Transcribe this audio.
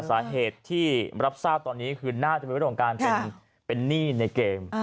สาเหตุที่รับทราบตอนนี้คือน่าจะเป็นเรื่องของการเป็นหนี้ในเกม